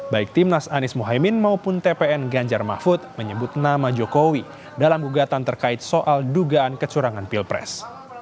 baik timnas anies mohaimin maupun tpn ganjar mahfud menyebut nama jokowi dalam gugatan terkait soal dugaan kecurangan pilpres